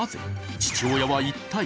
父親は一体？